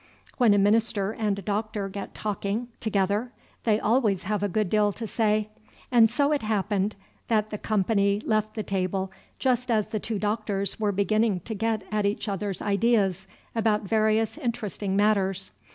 When a minister and a doctor get talking together, they always have a great deal to say; and so it happened that the company left the table just as the two Doctors were beginning to get at each other's ideas about various interesting matters.